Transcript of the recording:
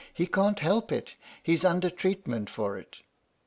" He can't help it he 's under treatment for it."